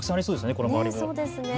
この周りにも。